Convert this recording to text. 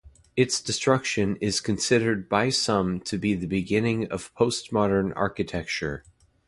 Its destruction is considered by some to be the beginning of postmodern architecture.